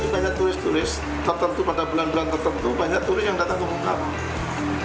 banyak turis turis pada bulan bulan tertentu banyak turis yang datang ke bungkab